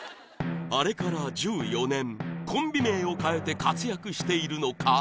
あれから１４年コンビ名を変えて活躍しているのか